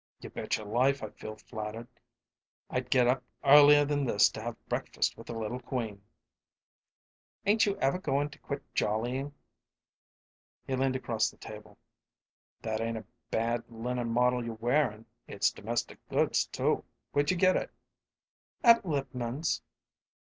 "You betcher life I feel flattered. I'd get up earlier than this to have breakfast with a little queen." "Ain't you ever goin' to quit jollyin'?" He leaned across the table. "That ain't a bad linen model you're wearin' it's domestic goods, too. Where'd you get it?" "At Lipman's."